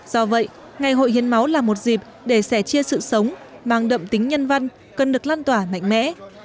do vậy ngày hội hiến máu là một dịp để sẻ chia sự sống mang đậm tính nhân văn cần được lan tỏa mạnh mẽ